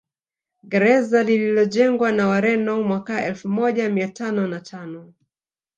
Gereza lililojengwa na Wareno mwaka elfu moja mia tano na tano